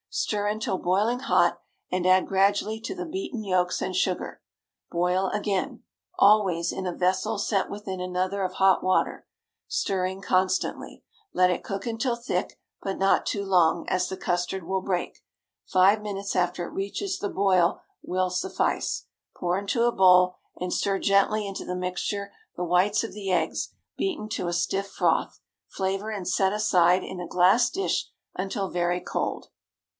Stir until boiling hot, and add gradually to the beaten yolks and sugar. Boil again (always in a vessel set within another of hot water), stirring constantly. Let it cook until thick, but not too long, as the custard will break. Five minutes after it reaches the boil will suffice. Pour into a bowl, and stir gently into the mixture the whites of the eggs, beaten to a stiff froth. Flavor, and set aside in a glass dish until very cold.